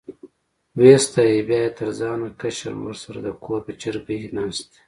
وې ستایه، بیا یې تر ځانه کشر ورسره د کور په چرګۍ ناست.